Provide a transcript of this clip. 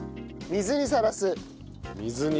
水にさらす。